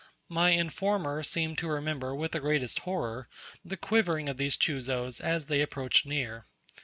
My informer seemed to remember with the greatest horror the quivering of these chuzos as they approached near.